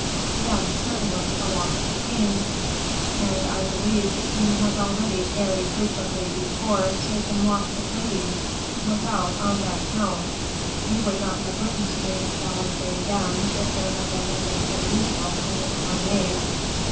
"Yes, certainly, a walk with the king; and I believe the king has already very frequently before taken walks with ladies, without on that account " "You would not have written to me, shall I say again, if there had been nothing unusual in this promenade."